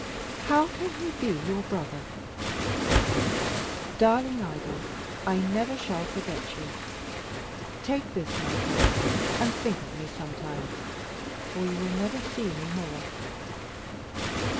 How can he be your brother? Darling Idols, I never shall forget you. Take this, my pet, and think of me sometimes, for you will never see me more."